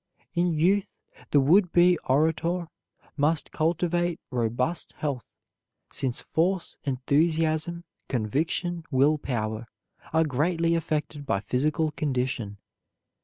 In youth the would be orator must cultivate robust health, since force, enthusiasm, conviction, will power are greatly affected by physical condition.